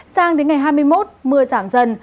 sang đến ngày hai mươi một mưa giảm dần